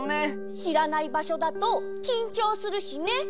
しらないばしょだときんちょうするしね。